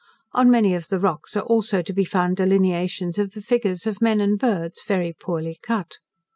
On many of the rocks are also to be found delineations of the figures of men and birds, very poorly cut.